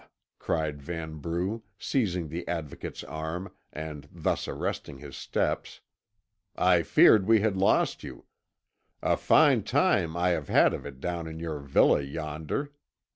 cried Vanbrugh, seizing the Advocate's arm, and thus arresting his steps, "I feared we had lost you. A fine time I have had of it down in your villa yonder!